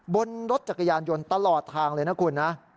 บนรถจักรยานยนต์ตลอดทางเลยนะคุณนะ